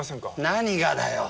何がだよ？